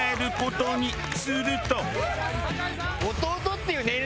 すると。